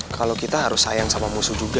kalau kita harus sayang sama musuh juga